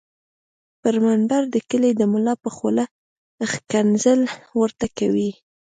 پر منبر د کلي دملا په خوله ښکنځل ورته کوي